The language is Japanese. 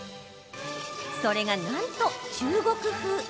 それが、なんと中国風。